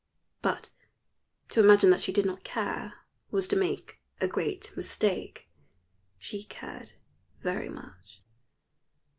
But to imagine that she did not care was to make a great mistake she cared very much.